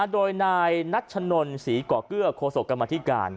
โดยนายนัชนนศรีก่อเกื้อโคศกกรรมธิการ